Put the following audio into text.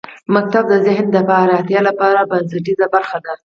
ښوونځی د ذهن د پراختیا لپاره بنسټیزه برخه ده.